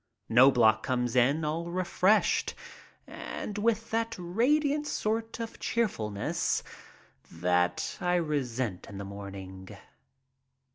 Knobloch comes in all refreshed and with that radiant sort of cheerfulness that I resent in the morning.